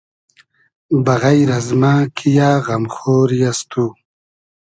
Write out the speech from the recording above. بئغݷر از مۂ کی یۂ غئم خۉری از تو